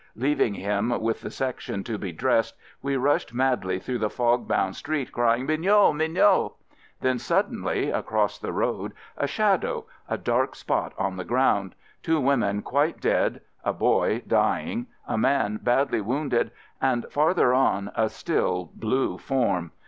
Leaving him with the Section to be dressed, we rushed madly through the fog bound street crying, "Mignot! Mignot!" Then suddenly — across the road — a shadow — a dark spot on the ground — two women quite dead, a boy dying, a man badly wounded and — farther on — a still, blue form.